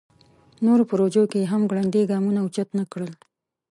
نورو پروژو کې یې هم ګړندي ګامونه اوچت نکړل.